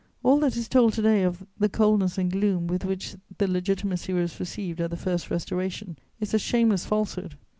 All that is told to day of the coldness and gloom with which the Legitimacy was received at the First Restoration is a shameless falsehood.